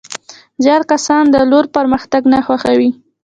زیات کسان د لور پرمختګ نه خوښوي.